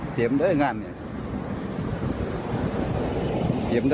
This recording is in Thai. เป็มเด้องานเนี่ย